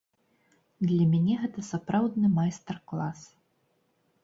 Для мяне гэта сапраўдны майстар-клас.